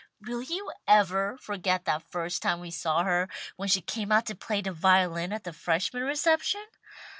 "Will you ever forget that first time we saw her, when she came out to play the violin at the Freshman reception?